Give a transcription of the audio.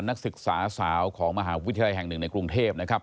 นักศึกษาสาวของมหาวิทยาลัยแห่งหนึ่งในกรุงเทพนะครับ